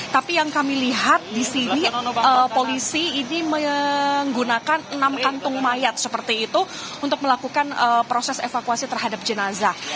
tapi yang kami lihat di sini polisi ini menggunakan enam kantung mayat seperti itu untuk melakukan proses evakuasi terhadap jenazah